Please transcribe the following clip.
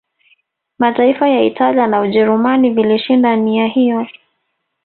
Mataifa ya Italia na Ujerumani vilishinda nia hiyo